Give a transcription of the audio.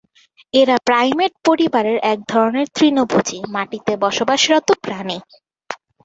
এরা প্রাইমেট পরিবারের এক ধরনের তৃণভোজী, মাটিতে বসবাসরত প্রাণী।